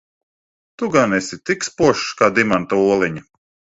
Tu gan esi tik spožs kā dimanta oliņa?